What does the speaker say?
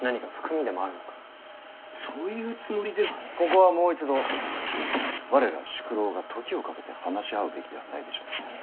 ここはもう一度我ら宿老が時をかけて話し合うべきではないでしょうか。